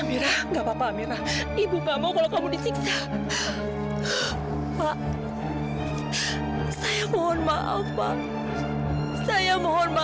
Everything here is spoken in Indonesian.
mudah mudahan rizky tidak marah aku memberikan nama ayahnya pada orang ini